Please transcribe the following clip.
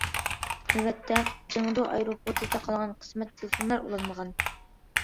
نۆۋەتتە، چېڭدۇ ئايروپورتى تاقالغان، قىسمەن تېلېفونلار ئۇلانمىغان.